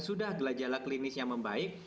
sudah gelajalah klinisnya membaik